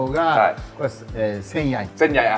แบบเผ่งเต็ม